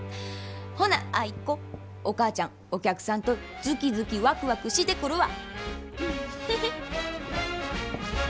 ほなアイ子お母ちゃんお客さんとズキズキワクワクしてくるわ。